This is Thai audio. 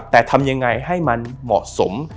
แต่ทำยังไงให้มันเหมาะสม